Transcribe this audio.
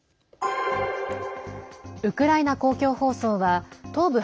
ウクライナ公共放送は東部